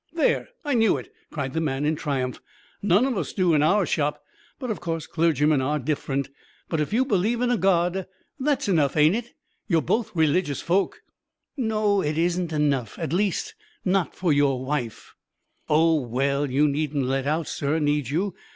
"There! I knew it," cried the man in triumph. "None of us do in our shop; but, of course, clergymen are different. But if you believe in a God, that's enough, ain't it? You're both religious folk." "No, it isn't enough at least, not for your wife." "Oh, well, you needn't let out, sir, need you?